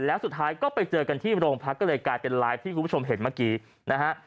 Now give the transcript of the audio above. แล้วสุดท้ายก็ไปเจอกันที่โรงพักก็เลยกลายเป็นไลฟ์ที่คุณผู้ชมเห็นเมื่อกี้นะฮะ